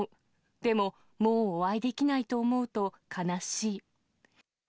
でも、もうお会いできないと思うと悲しい。